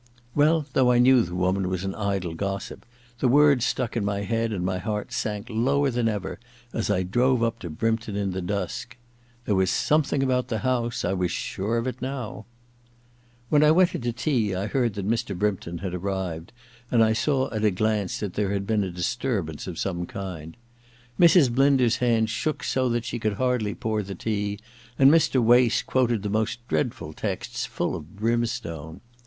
Welly though I knew the woman was an idle gossipy the words stuck in my head, and my heart sank lower than ever as I drove up to Brympton in the dusk. There was something about the house — I was sure of it now ... When I went in to tea I heard that Mr. Brympton had arrived, and I saw at a glance that there had been a disturbance of some kind. Mrs. Blinder's hand shook so that she could hardly pour the tea, and Mr. Wace quoted the most dreadful texts full of brimstone.